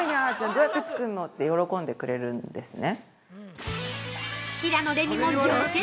どうやって作んのって喜んでくれるんですね。